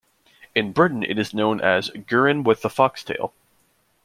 In Britain it is known as "Gurin with the Foxtail".